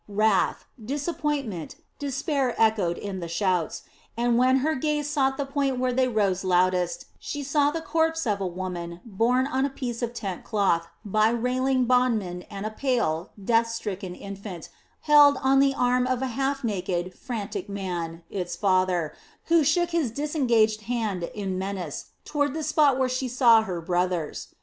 Wrath, disappointment, despair echoed in the shouts, and when her gaze sought the point whence they rose loudest, she saw the corpse of a woman borne on a piece of tent cloth by railing bondmen and a pale, death stricken infant held on the arm of a half naked, frantic man, its father, who shook his disengaged hand in menace toward the spot where she saw her brothers.